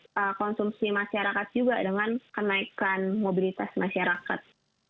untuk konsumsi masyarakat juga dengan kenaikan mobilitas masyarakat